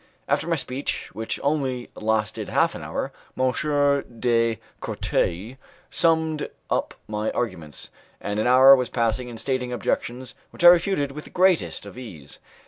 After my speech, which only lasted half an hour, M. de Courteuil summed up my arguments, and an hour was passed in stating objections which I refuted with the greatest ease.